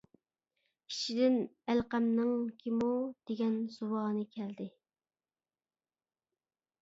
ئىچىدىن ئەلقەمنىڭ كىمۇ؟ دېگەن زۇۋانى كەلدى.